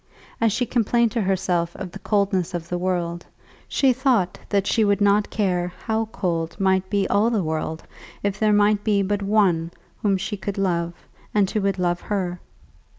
As she complained to herself of the coldness of the world, she thought that she would not care how cold might be all the world if there might be but one whom she could love, and who would love her.